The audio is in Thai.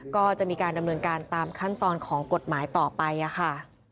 ก็จะมีการดำเนินการตามขั้นตอนของกฎหมายต่อไปค่ะ